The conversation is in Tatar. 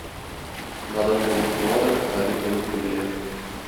Надан булып туалар, галим булып үләләр.